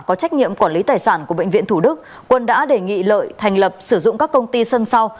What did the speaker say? có trách nhiệm quản lý tài sản của bệnh viện thủ đức quân đã đề nghị lợi thành lập sử dụng các công ty sân sau